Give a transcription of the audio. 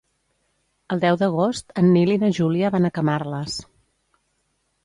El deu d'agost en Nil i na Júlia van a Camarles.